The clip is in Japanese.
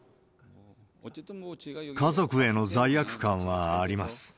家族への罪悪感はあります。